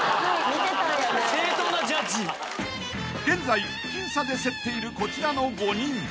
［現在僅差で競っているこちらの５人］